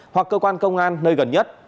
hoặc cơ quan công an nơi gần nhất